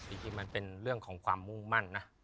จริงมันเป็นเรื่องของความมุ่งมั่นนะ